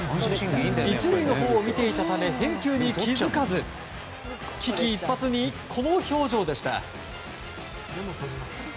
１塁のほうを見ていたため返球に気づかず危機一髪にこの表情でした。